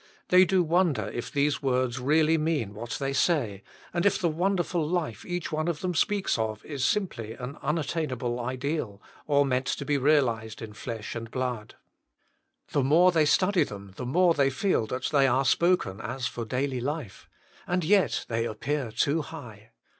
They do wonder if these words really mean what they say, and if the wonderful life each one of them speaks of is simply an un attainable ideal, or meant to be realised in flesh and blood. The more they study them, the more they feel that they are spoken as for daily life. And yet they appear too high.